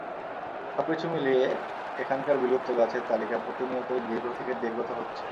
সবকিছু মিলিয়ে এখানকার বিলুপ্ত গাছের তালিকা প্রতিনিয়তই দীর্ঘ থেকে দীর্ঘতর হচ্ছে।